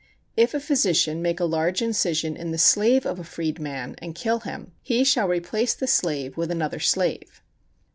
If a physician make a large incision in the slave of a freed man, and kill him, he shall replace the slave with another slave.